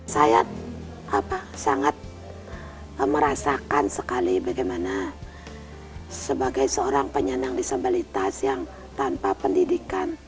saya sangat merasakan sekali bagaimana sebagai seorang penyandang disabilitas yang tanpa pendidikan